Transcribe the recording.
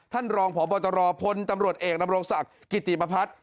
ท่านรองพบตรพลตำรวจเอกดำรงศักดิ์กิติประพัฒน์